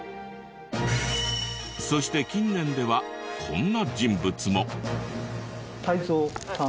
そして近年ではこんな人物も。